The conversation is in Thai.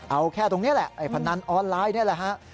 เอาแค่ตรงนี้แหละไอ้พนันออนไลน์นี่แหละฮะ